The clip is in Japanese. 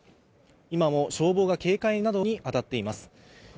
今も消防が警戒などに当たっています。